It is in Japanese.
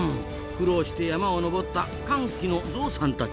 苦労して山を登った「乾季」のゾウさんたち。